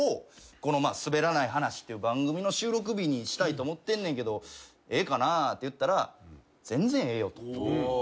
この『すべらない話』って番組の収録日にしたいと思ってんねんけどええかな？って言ったら「全然ええよ」と。